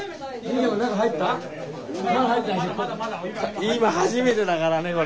今初めてだからねこれ。